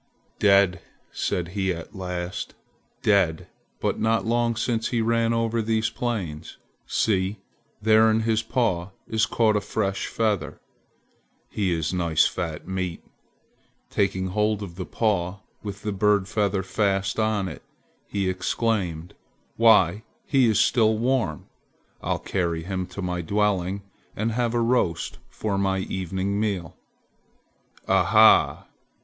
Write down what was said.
"Dead!" said he at last. "Dead, but not long since he ran over these plains! See! there in his paw is caught a fresh feather. He is nice fat meat!" Taking hold of the paw with the bird feather fast on it, he exclaimed, "Why, he is still warm! I'll carry him to my dwelling and have a roast for my evening meal. Ah ha!"